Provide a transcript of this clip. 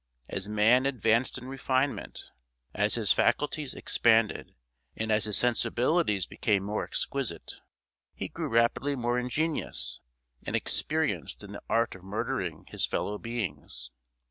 As man advanced in refinement, as his faculties expanded, and as his sensibilities became more exquisite, he grew rapidly more ingenious and experienced in the art of murdering his fellow beings.